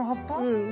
うん。